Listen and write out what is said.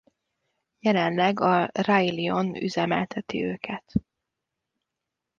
Jelenleg a Railion üzemelteti őket.